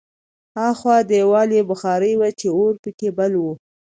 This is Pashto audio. هاخوا دېوالي بخارۍ وه چې اور پکې بل و